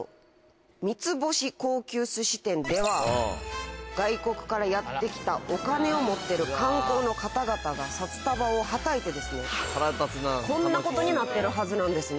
例えば外国からやってきたお金を持ってる観光の方々が札束をはたいてこんなことになってるはずなんですね。